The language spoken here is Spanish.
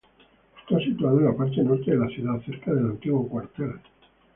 Está situado en la parte norte de la ciudad, cerca del antiguo cuartel.